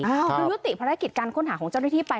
คือยุติภารกิจการค้นหาของเจ้าหน้าที่ไป